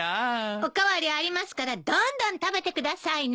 お代わりありますからどんどん食べてくださいね。